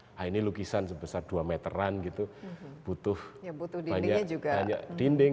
nah ini lukisan sebesar dua meteran gitu butuh banyak dinding